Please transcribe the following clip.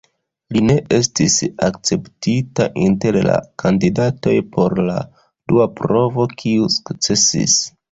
Li ne estis akceptita inter la kandidatoj por la dua provo, kiu sukcesis.